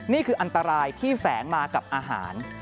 นี่คืออันตรายที่แฝงมากับอาหาร